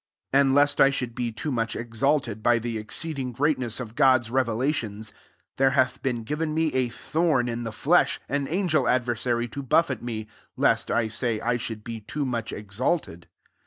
7 And lest I should be too much exalted, by the exceeding great ness of God* 9 revelations^ there hath been given me a thorn in the fleshy an angel adver •aryt to buffet me, [lest, /*ay, i should be too much exalted.